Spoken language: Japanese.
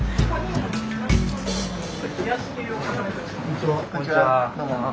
こんにちは。